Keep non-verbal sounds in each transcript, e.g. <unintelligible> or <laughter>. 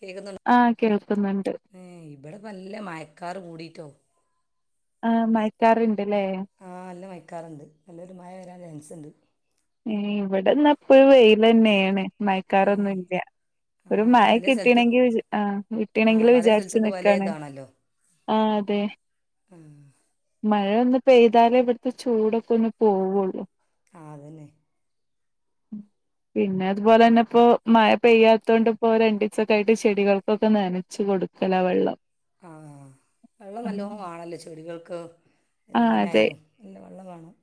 കേക്കുന്നുണ്ടോ ആഹ്‌ കേൾക്കുന്നുണ്ട് ഏഹ്‌ ഇബടെ നല്ല മയക്കാറ് ക്കൂടിട്ടോ ആഹ്‌ മയക്കാറ്ണ്ട്ല്ലേ ആഹ്‌ നല്ല മയക്കാറ്ണ്ട് നല്ലൊരു മയ വരാൻ ചാൻസുണ്ട്. ഏഹ് ഇവിടെന്നാപ്പൊ വെയില്ന്നെണ് ഏഹ് മയക്കാറൊന്നുല്ല. ഒരു ആഹ് അത് പല സ്ഥലത്തേക്കും മയകിട്ടീനെങ്കി ആഹ്‌ ആഹ് കിട്ടീണെങ്കില്ന്ന് പല സ്ഥലത്തേക്കും പല വിചാരിച്ച്ക്കാണ്. ആഹ് അതെ ഉം മഴയൊന്നു പെയ്താലേ ഇവിടത്തെ ചൂടൊക്കെ ഒന്ന് പോവുള്ളു ആഹ് അതന്നെ പിന്നെ അതുപോലെ തന്നെ ഇപ്പോ മഴ പെയ്യാത്ത കൊണ്ടിപ്പോ രണ്ടിസ് ആയിട്ട് ചെടികൾക്കൊക്കെ നനച്ചു കൊടു കല വെള്ളം ആഹ് വെള്ളം നല്ലോ ആണല്ലേ ചെടികൾക്ക് ആഹ് അതെ എന്തിനായാലും നല്ല വെള്ളം വേണം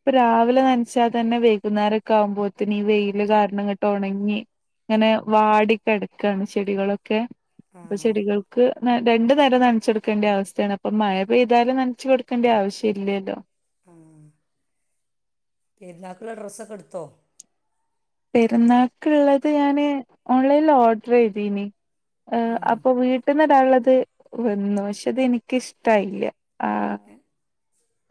ഇപ്പൊ രാവിലെ നനച്ചാൽ തന്നെ വൈകുന്നേരകുമ്പോത്തന്നെ ഈ വെയില് കാരണം ഇങ്ങോട്ട് ഉണങ്ങി അങ്ങനെ വാടി കിടക്കയാണ് ചെടികളൊക്കെ അപ്പൊ ആഹ് ചെടികൾ ക്ക് രണ്ടു നേരം നനച്ച് കൊടുക്കേണ്ട അവസ്ഥയാണ് അപ്പൊ മഴ പെയ്താലും നനച്ചു കൊടുക്കേണ്ട ആവശ്യം ഇല്ലെലോ ആഹ് പിള്ളേർക്കുള്ള ഡ്രസ്സൊക്കെ എടുത്തോ പെരുന്നാൾക്കുള്ളത് ഞാന് ഓൺലൈനിൽ ഓഡറ് ചെയ്തിനി ആഹ് ഉം അപ്പൊ വീട്ടീന്ന് ക്കള്ളത് വന്നു പക്ഷെ അത് എനിക്ക് ഇഷ്ടായില്ല ആഹ് ആഹ്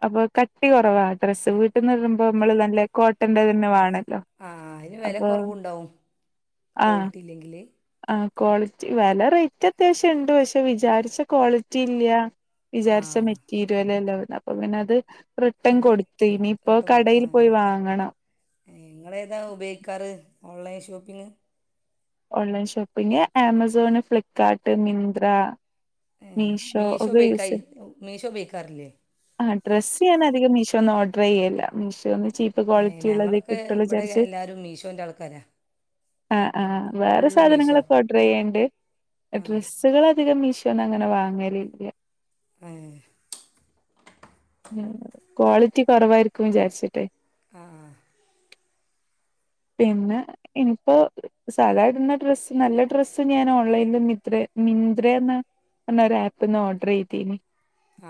അപ്പൊ കട്ടി കുറവാ ഡ്രസ്സ് വീട്ടിൽന്ന് ഇടുമ്പോ നമ്മള് നല്ല കോട്ടന്റെ തന്നെ വേണല്ലോ ആഹ് അതിന് വില അപ്പൊ കുറവുണ്ടാവും ആ ക്വാളിറ്റി ഇല്ലെങ്കില് ആഹ് ക്വാളിറ്റി വില റേറ്റ് അത്യാവശ്യം ഉണ്ട് പക്ഷെ വിചാരിച്ച ക്വാളിറ്റി ഇല്ല വിചാരിച്ച ആഹ് മെറ്റിരുലല്ലല്ലോ വേർനെ അപ്പൊ പിന്നെ ഇങ്ങനെ അത് റിട്ടൻ അത് കൊടുത്തി നിപ്പോ കേട്ട് കൊടുത്തു കടയിൽ ആ പോയി വാങ്ങണം നിങ്ങളേതാ ഉപയോഗിക്കാറ് online shopping online shopping Amazon Flipkart Myntra ഏഹ് മീഷോ മീശോ ഒക്കെ ഉപയോഗിക്ക യൂസ് ചെയ്യും മീശോ ഉപയോഗിക്കറില്ലേ ആഹ് ഡ്രസ് ഞാന് അധികം മീഷോന്ന് ഓർഡറ് ചെയ്യലില്ല മീഷോന്ന് ചീ ഏഹ് ഞങ്ങളൊക്കെ ഇവിടെ എല്ലാവരും മീഷോന്റെ ആൾക്കാരാണ് ആഹ് ആഹ് വേറെ ഫുള്ള് മീഷോ സാധനങ്ങളൊക്കെ ഓർഡർ ചെയ്യണ്ട് ഡ്രസ്സ് <unintelligible> കൾ അധികം മീശോന്ന് അങ്ങനെ വാങ്ങലില്ല ഏഹ് ഉം ക്വാളിറ്റി കുറവായിരിക്കും വിചാരിച്ചിട്ടെ ആഹ് ആഹ് പിന്നെ ഇനിപ്പോ സാധായിടുന്ന ഡ്രസ്സ് നല്ല ഡ്രസ്സ് ഞാൻ ഓൺലൈനില് മിത്ര മിന്ത്രന്ന്‌ ഒരു ആപ്പ്ന്ന് ഓർഡർ ചെയ്തീനി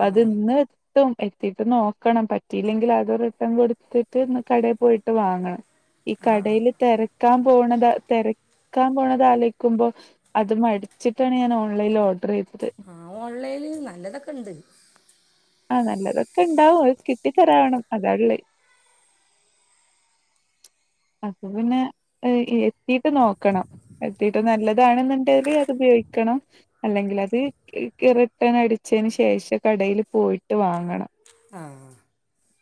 ആ അത് ഇന്ന് ത്തും എത്തിട്ട് നോക്കണം പറ്റിയില്ലെങ്കിൽ അത് റിട്ടേൺ കൊടുത്തിട്ട് ഇന്ന് കടയിൽ പോയിട്ട് വാങ്ങണം ഈ കടേല് തിരക്കാൻ പോണത് തിരക്കാൻ പോണത് ആലോചിക്കുമ്പോ അത് മടിച്ചിട്ടാണ് ഞാൻ ഓൺലൈനിൽ ഓർഡർ ചെയ്തത് ആഹ് ഓൺലൈനിൽ നല്ലതൊക്കെ ഉണ്ട് ആഹ് നല്ലതൊക്കെ ഉണ്ടാവും അത് കിട്ടിതരാവണം അതാ ഉള്ളേ അത് പിന്നെ എത്തിട്ട് നോക്കണം എത്തിട്ട് നല്ലതാണെന്നുണ്ടെല് അത് ഉപയോഗിക്കണം അല്ലെങ്കിൽ അത് റിട്ടേൺ അടിച്ചതിന് ശേഷം കടേല് പോയിട്ട് വാങ്ങണം ആഹ്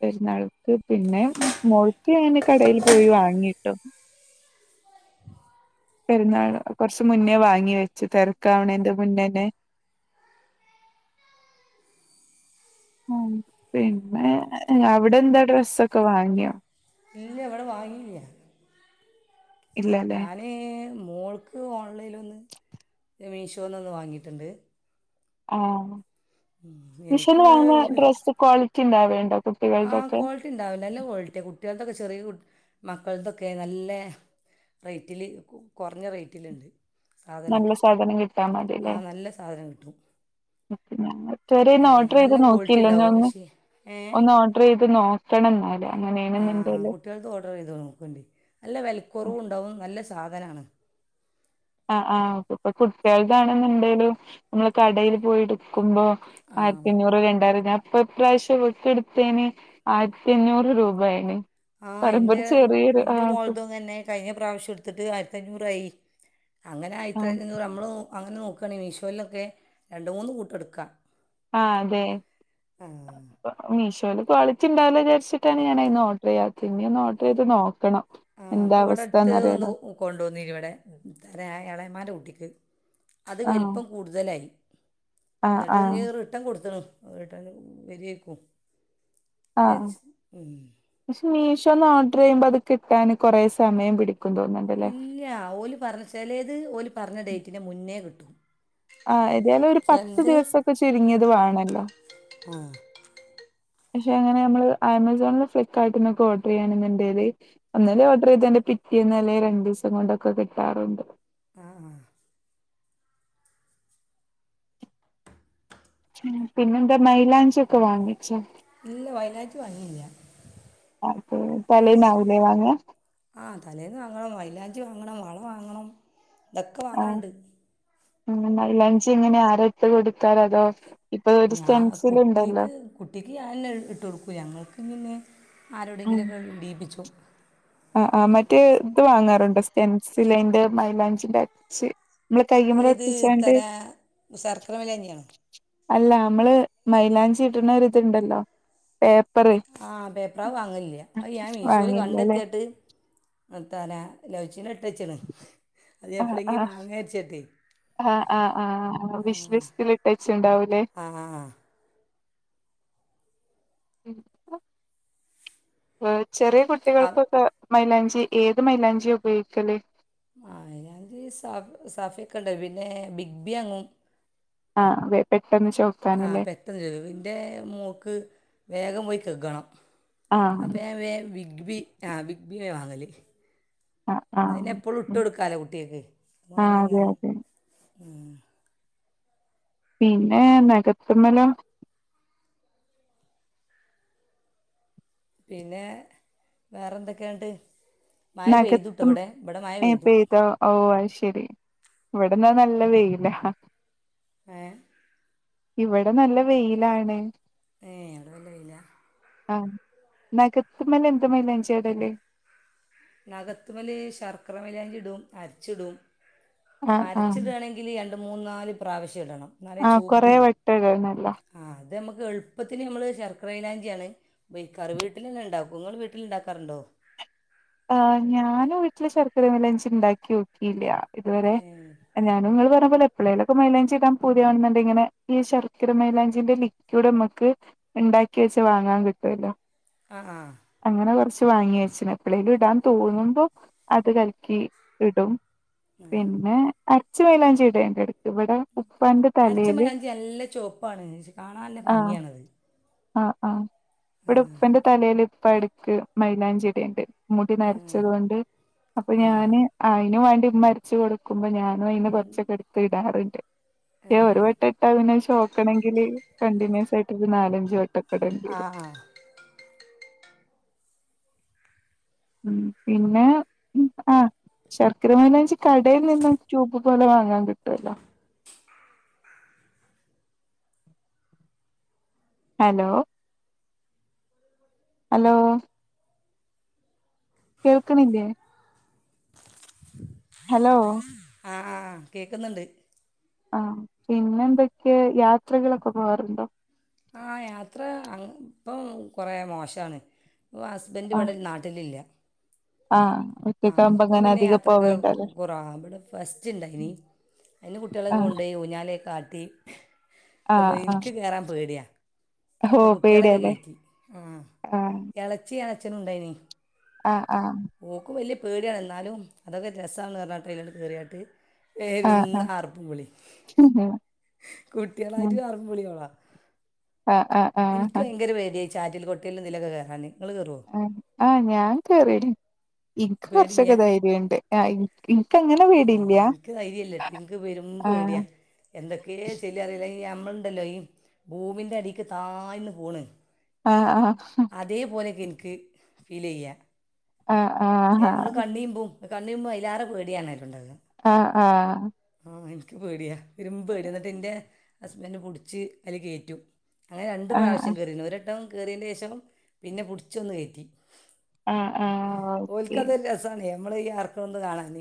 പെരുന്നാൾക്ക് പിന്നെ മോൾക്ക് ഞാന് കടയിൽ പോയി വാങ്ങിട്ടോ പെരുന്നാള് കൊറച്ച മുന്നേ വാങ്ങി വെച്ച് തിരക്കാവണേന്റെ മുന്നേന്നെ ആഹ് പിന്നെ അവിടെന്താ ഡ്രസ്സൊക്കെ വാങ്ങിയോ ഇല്ല ഇവിടെ വാങ്ങിയില്ല ഇല്ലല്ലേ ഞാന് മോൾക്ക് ഓൺലൈനിന്നൊന്ന് മീഷോന്നൊന്ന് വാങ്ങിയിട്ടുണ്ട് ആഹ് മീഷോന്ന് വാങ്ങ എനിക്കുള്ള ഡ്രസ്സ് ക്വാളിറ്റി ഉണ്ടാവ്ണ്ടോ ആഹ് ക്വാളിറ്റി ഉണ്ടാവില്ല നല്ല ക്വാളിറ്റി കുട്ട്യാൾതൊക്കെ ചെറിയ കു മക്കളതൊക്കെ നല്ല റേറ്റ്ല് കുറഞ്ഞ റേറ്റില്ണ്ട് നല്ല സാധനക്കെ സാധനം കിട്ടാൻ ആഹ് നല്ല സാധനം കിട്ടും ണാൻ ഇത് വരെ ആ ഒന്ന് നല്ല ഓഡ്രയ്ത് ക്വാളിറ്റി നോക്കിയില്ല ഉണ്ടാവും ന്ന് പക്ഷേ ഏ ഒന്ന് ഓഡ്രയ്ത് നോ കണം ന്നാല് അങ്ങനെയണെന്ന്ണ്ടേല് കുട്ട്യാൾത് ഓഡ്രയ്ത് നോ ക്കണ്ടി നല്ല വിലക്കുറവുണ്ടാവും നല്ല സാധനാണ് ആഹ് ആഹ് ഇപ്പൊ കുട്ട്യാൾതാണ്ന്ന്ണ്ടെലും നമ്മള് കടേല് പോയി എട്ക്കുമ്പോ ആ ആയിരത്തിഞ്ഞൂറ് രണ്ടായിരം ഞാ ഇപ്പ പ്രാവശ്യം ഓൾക് എടുത്തേന് ആയ്ര്ത്തി അഞ്ഞൂറ് രൂപ ആയ്ന് ആഹ് ഇന്റെ ഇന്റെ മോൾതും ഇങ്ങന്നെ കഴിഞ്ഞ പ്രാവശ്യം എടുത്തിട്ട് ആയിരത്തഞ്ഞൂറായി അങ്ങനെ ആഹ് ആയിരത്തഞ്ഞൂറ് നമ്മളു അങ്ങനെ നോക്കാണെങ്കിൽ മീഷോലൊക്കെ രണ്ട് മൂന്ന് കൂട്ടം എടുക്കാം ആഹ് അതെ ആ പ്പ മീഷോൽ ക്വാളിറ്റി ഉണ്ടാവൂലാന്ന് വിചാരിട്ടാണ് ഞാനയ്ന്ന് ഓർഡർ ചെയ്യാത്തത് ഇനി ഒന്ന് ഓർഡർ ചെയ്ത് നോക്കണം ആഹ് എന്താ ഇപ്പൊ ഇവ്ടെടുത്ത് ഒന്ന് അവസ്ഥന്നറിയാലോ ഹ് കൊണ്ട് ന്നിന്ന് ഇവിടെ ത എളെമാന്റെ കുട്ടിക്ക് അത് ആഹ് വൽപ്പം കൂടുതലായി ആഹ് ഇന്നട്ട് ആഹ് ഇഞ് റിട്ടേൺ കൊടുത്ത്ണ് റിട്ടേന് വരിര്ക്കും ആഹ് എച്ച് ഉം പക്ഷെ മീഷോന്ന് ഓർഡർ ചെയ്യുമ്പോ അത് കിട്ടാന് കുറെേ സമയം പിടിക്കും തോന്ന്ണ്ട് ഇല്ല്യാ ഓല് പറഞ ചെലത് ഓല് പറഞ്ഞ ഡേറ്റിന്റെ മുനെ കിട്ടും ആഹ് ഏതാലും ഒരു പത്ത് ചിലത് ദിവസൊക്കെ ചുരുങ്ങിയത് വാണല്ലോ <inaudible> പക്ഷെ അങ്ങനെ നമ്മള് ആമസോൺന്ന് ഫ്ലിപ്കാർട്ട്ന്നൊക്കെ ഓഡ്രായാണ്ന്ന്ണ്ടേൽ ഒന്നാലേ ഓഡ്രായ്തയ്ന്റെ പിറ്റേന്നല്ലേ രണ്ടീസം കൊണ്ടൊക്കെ കിട്ടാറുണ്ട് ആഹ് ആഹ് മം പിന്നെന്താ മൈലാഞ്ചിക്കൊ വാങ്ങിച്ചോ ഇല്ല വയലാഞ്ചി വാങ്ങിയില്ല അതെ തലേന്ന് ആവുല്ലേ വാങ്ങാ ആഹ് തലേന്ന് വാങ്ങണം മൈലാഞ്ചി വാങ്ങണം വള വാങ്ങണം ഇതൊക്കെ വാങ്ങാണ്ട് ആഹ് മൈലാഞ്ചി ഇങ്ങനെ ആരാ ഇട്ട് കൊടുത്താല് അതോ ഇപ്പൊ ഒരു ഞാൻ സ്റ്റെൻസില് ഇണ്ടല്ലോ കുട്ടിക്ക് കുട്ടിക്ക് ഞാനെന്നെ ഇട്ട് കൊടുക്കും ഞങ്ങൾക്ക് പിന്നെ ഉം ആരോടെങ്കിലൊക്കെ ഇഡീപ്പിച്ചും. ആഹ് ആഹ് മറ്റേ ഇത് വാങ്ങാറുണ്ടോ സ്റ്റെൻസിലെന്റെ മൈലാഞ്ചിന്റെ അച്ച് നമ്മള് കയ്യ്മ്മല് ഏത് ഒട്ടിച്ചാണ്ട് തരാ സർക്കര മൈലാഞ്ചിയാണോ അല്ല അമ്മള് മൈലാഞ്ചി ഇട്ണോരു ഇത്ണ്ടല്ലോ പേപ്പറ് ആഹ് പേപ്പറാ വാങ്ങല്ലില്ല അഹ് ഞാൻ മീശോല് വാങ്ങിയില്ലല്ലേ കണ്ടെത്തിയിട്ട് ഞാത്തല ലവ് ചിഹ്നം ഇട്ട്ച്ച്ണ് അത് ആഹ് എപ്പളങ്കി ആഹ് വാങ്ങാച്ചിട്ടേ ആഹ് ആഹ് ആഹ് വിഷ് ലിസ്റ്റില് ഇട്ടച്ച്ണ്ടാവൂല്ലേ ആഹ് ഉം വേവ്, ചെറിയ ആ കുട്ടികൾക്കൊക്കെ മൈലാഞ്ചി ഏത് മൈലാഞ്ചിയ ഉപയോഗിക്കല് ആഹ് മൈലാഞ്ചി സഫ് സാഫയൊക്കെ ഇണ്ട് പിന്നെ ബിഗ് ബി അങ്ങും ആഹ് വേ പെട്ടെന്ന് ചോ ആഹ് പെട്ടെന്ന് ചോവും ഇന്റെ മോക്ക് വേഗം പോയി കെക്കണം ആഹ് അപ്പ ഞാൻ വേം ബിഗ് ബി ആഹ് ബിഗ് ബി വാങ്ങല് ആഹ് നഇന്നാ പിന്നെ ആഹ് എപ്പഴും ഇട്ട് ഉം കൊടുക്കാലോ കുട്ട്യേക്ക് ആഹ് അതെ വാങ്ങിഞ്ഞാലും അതെ ഉം പിന്നെ നാഖത്ത്‌മലോ പിന്നെ വേറെ എന്തൊക്കെ എന്നിട്ട് മഴ പെയ്തുട്ടോ നഖത്തും ഇവ്ടെ ഇബ്ടെ മഴ ഏഹ് പെയ്തു പെയ്തോ ഓഹ് ആയിശെരി ഇവിടന്നാ നല്ല വെയിലാ ഏഹ് ഇവിടെ നല്ല വെയിലാണ് ഏഹ് അവിടെ നല്ല വെയിലാ ആഹ് നാഗത്തിമല് എന്ത് മൈലാഞ്ചിയാ ഇടല് നഖത്ത്മ്മല് ശർക്കര മൈലാഞ്ചി ഇടും അരച്ചിടും ആഹ് ആഹ് അരച്ചിടാണെങ്കി ങ്കില് രണ്ട് മൂന്ന് നാല് പ്രാവശ്യ ഇടണം ആഹ് കൊറെേ വട്ടം ഇടണല്ല ആഹ് അത് നമുക്ക് എളുപ്പത്തിന് നമ്മള് ശർക്കര മൈലാഞ്ചിയാണ് ഉപയോഗിക്കാര് വീട്ടില് തന്നെ ഇണ്ടാക്കും ഇങ്ങള് വീട്ടി വീട്ടില് ഇണ്ടാക്കാറുണ്ടോ ആ ഞാന് വീട്ടില് ശർക്കര മൈലാഞ്ചി ഇണ്ടാക്കിയോക്കില്ല ഇതുവരെ ഏ ഞാനും നിങ്ങള് പറഞ്ഞ പോലെ എപ്പാളെലൊക്കെ മൈലാഞ്ചി ഇടാം പുതിയവണ്ടെങ്കി ഇങ്ങനെ ഈ ശർക്കരമൈലാഞ്ചിന്റെ ലി ഇവ്‌ടെ നമ്മക്ക് ഇണ്ടാക്കി വെച്ചാ വാങ്ങാൻ കിട്ടുവല്ലോ ആ ആഹ് അങ്ങനെ കുറച്ച് വാങ്ങി വെച്ചിണ് എപ്പളെലും ഇടാൻ തോന്നുമ്പോ അത് കലക്കി ഇടും പിന്നെ അരച്ച മൈലാഞ്ചി ഇടേണ്ട് ഇടക്ക് ഇവിടെ ഉപ്പാന്റെ അരച്ച തലേൽ മൈലാഞ്ചി നല്ല ചോപ്പ് പ്പാണ് കാണാൻ നല്ല ഭംഗിയാണത് ആഹ് ആഹ് ഇവിടെ ഉപ്പന്റെ തലേല് ഇപ്പ എടക്ക് മൈലാഞ്ചി ഇടേണ്ട് മുടി ആ നരച്ചത് കൊണ്ട് അപ്പൊ ഞാന് അയിന് വേണ്ടി ഉമ്മ അരച്ച് കൊടുക്കുമ്പോ ഞാൻ അപ്പൊ അയിന്ന് കൊറച്ചൊക്കെ എടുത്ത് ഇടാറ്ണ്ട് ഒരു വട്ടം ഇട്ടാ തന്നെ ചൊവ്വക്കണെങ്കിൽ കണ്ടിന്യൂസ് ആയിട്ട് ഒരു നാലഞ്ച വട്ടംക്കെടേണ്ടി ആ വരും ഉ പിന്നെ ആ ശർക്കര മൈലാഞ്ചി കടയിൽ നിന്നും റ്റൂബ്‌ പോലെ വാങ്ങും വാങ്ങാൻ കിട്ടുലോ ഹലോ ഹലോ കേൾക്കണില്ലേ ഹലോ ആഹ് കേക്കുന്നുണ്ട് ആഹ് പിന്നെന്തൊക്കെ യാത്രകളൊക്കെ പോവാറുണ്ടോ ആഹ് യാത്ര അങ്ങ് ഇപ്പം കുറെ മോശമാണ് ഹസ് ബന്റ് ആഹ് ഇവിടെ നാട്ടിലില്ല ആഹ് ആഹ് ഒറ്റക്കാവുമ്പോ അപ്പൊ അങ്ങനെ പിന്നെ അധികം യാത്രൊക്കെ പോവേണ്ടല്ലേ കൊറവാ ഇവിടെ ഫസ്റ്റ് ഇല്ലായിനി അതിന് കുട്ടികളൊക്കെ ആഹ് കൊണ്ടുപോയി ഊഞ്ഞാലെക്കെ ആട്ടി ആഹ് കൊണ്ടോയി ഇനിക്ക് ആഹ് കേറാൻ പേടിയാ ഹോ അപ്പൊ കുട്ടികളൊക്കെ പേടിയാല്ലേ കേറ്റി ഉം ആഹ് ഇളച്ചി ഇളച്ഛനും ഇണ്ടായിനി ആഹ് ആഹ് ഓൾക് വലിയ പേടിയാണ് എന്നാലും അതൊക്കെ രസാണ് പറഞ്ഞാട്ട് അയിൽ കയറിയായിട്ട് പെരും ആഹ് ആഹ് ആർപ്പുംവിളി ഉം കുട്ടികളായിട്ട് ആർപ്പും വിളിയും ഓളാ ആഹ് ആഹ് ഇനിക്ക് ആഹ് ഭയങ്കര വേദിയായി ചാറ്റിൽ കൊട്ടയിലും ഇതിലൊക്കെ കേറാൻ നിങ്ങൾ കെറോ ആഹ് ഞാൻ കേറിനിം ഇനിക്ക് കുറച്ചൊക്കെ പേടിയില്ല ധൈര്യംണ്ട് ആഹ് ഇനിക്ക് അങ്ങനെ പേടില്ല ദൈര്യലട്ടോ ഇന്ക് പെരും പേടിയാ ആഹ് എന്തൊക്കെയ ചെല്ലറിയില്ല ഈ നമ്മളുണ്ടല്ലോ ഈ ഭൂമിന്റെ അടിക്ക് താഴ്ന്ന് പോണ് ആഹ് ആഹ് അതേപോലെയൊക്കെ എനിക്ക് ഫീലേയ്യ ആഹ് ആഹ് നമ്മൾ കണ്ണീമ്പും കണ്ണീമ്പോമ്പോ അയില്ലാറെ പേടിയാണെലോ ഇണ്ടാവാ ആഹ് ആഹ് ആഹ് എനിക്ക് പേടിയാ പെരും പേടിയാ എന്നിട്ട് എന്റെ ഹസ്ബൻന്റ് പിടിച്ച് അതില് കേറ്റും അങ്ങനെ രണ്ടു ആഹ് ആഹ് പ്രാവശ്യം കയറീന് ഒരിട്ടവും കയറീൻെ ശേഷം പിന്നെ പുടിച്ചൊന്നു കയറ്റി ആഹ് ആഹ് ഓക്കെ ഓൽക്കതൊരസണേയ് നമ്മള് ഈ ആർക്കൊന്ന് കാണാന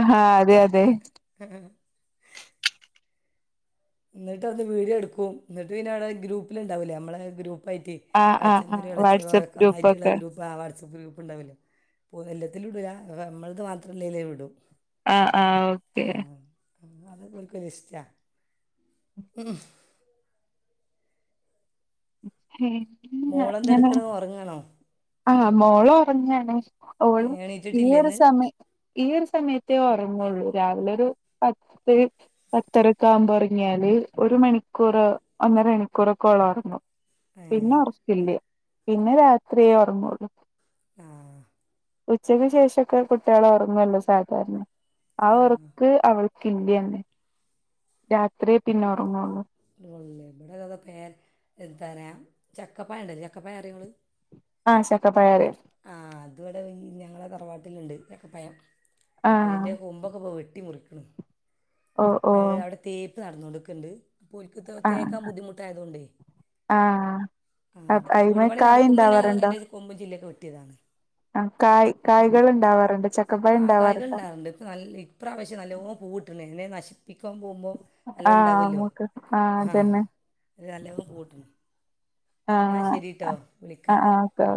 അ ഹാ അതെ അതെ <unintelligible> ന്നിട്ട് അത് വീഡിയോ എടുക്കും ന്നിട്ട് പിന്നെ അവിടെ ഗ്രൂപ്പിലണ്ടാവില്ലേ നമ്മളെ ഗ്രൂപ്പായിട്ട് ആഹ് ആഹ് ആഹ് അച്ഛന്മാരും വാട്സപ്പ് എളച്ചിആളും ഒന്നായ്റ്റില്ല ഗ്രൂപ്പൊക്കെ ഗ്രൂപ്പ്‌ ആ വാട്സപ് ഗ്രൂപ്പ്ണ്ടാവുലെ പുനല്ലൂരിത്തീലിടൂല നമ്മളത് മാത്രല്ലല്ലേ ഇടും ആഹ് ആഹ് ഓക്കെ ആഹ് അത് ഓൽക്കൊരിഷ്ട്ടാ ഉംഹും ഒക്കെ മോളെന്തട്ക്ക്ണ് ഒറങ്ങണോ ആഹ് മോളൊറങ്ങാണ് ഓള് ഈ എണീറ്റിട്ടില്ലേ ഒര് ഇന്ന് സമയത്ത് ഈ ഒരു സമയത്തേ ഒറൊങൊള്ളൂ രാവിലെ ഒരു പത്ത് പത്തരക്കെ ആകുമ്പോ ഒറങ്ങിയാല് ഒരു മണിക്കൂർ ഒന്നര മണിക്കൂറൊക്കെ ഓളൊറങ്ങു ഏ പിന്നെ ഒറക്കില്ല പിന്നെ രാത്രിയേ ഒറങൊള്ളൂ ആഹ ഉച്ചക്ക് ശേഷൊക്കെ കുട്ടികളെ ഉറങ്ങല്ലോ സാധാരണ ആഹ ഉറക്ക് അവൾ <unintelligible> ന്നെ രാത്രിയെ പിന്നെ ഒറങ്ങള്ളൂ ഇബടെതാതാ പേര എത്താറയാ ചക്കപയണ്ടല്ലോ ചക്കപയറിയോങ്ങള് ആഹ ചക്കപ്പഴറിയും ആഹ അത് ഇവിടെ ഈ ഞങ്ങളെ തറവാട്ടിലുണ്ട് ചക്കപ്പയം ആഹ് അതിൻന്റെറെ കുമ്പൊക്കെ പ്പോ വെട്ടി മുറിക്കണ് ഓ ഓ അവിടെ തേപ്പ് നടന്നോണ്ട്ക്കണ്ട് അപ്പോൽക്ക് ആഹ് തേക്കാൻ ബുദ്ധിമുട്ടായതോണ്ടേ ആഹ് ആഹ അയിമേ വീട്പണി കായ് നടക്കുമ്പോ ഇണ്ടാവാറുണ്ടോ അയ്ന്റെ കൊമ്പും ചില്ലക്കെ വെട്ടിയതാണ് ആഹ കായ് കായ്കൾ ണ്ടാവാറുണ്ട് ആഹ കായകൾ ഉണ്ടാറുണ്ട് ഇപ്പ നല്ല ഇപ്രാവശ്യം നല്ലോ പൂവിട്ടുണ്ട് എന്നെ നശിപ്പിക്ക പോകുമ്പോൾ ആ നല്ലോണ്ടാവൂല്ലോ നമുക്ക് ആ ആഹ അതന്നെ അ നല്ല പൂവ്ട്ടണ് ആ ന്നാ ശരിട്ടോ ആ വിളിക്കാ ആ ഓക്കെ